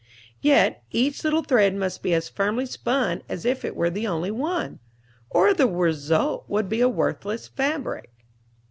Yet each little thread must be as firmly spun as if it were the only one, or the result would be a worthless fabric.